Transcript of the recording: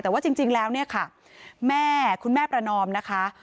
แต่ว่าจริงแล้วเนี่ยค่ะแม่คุณแม่ประนอมนะคะ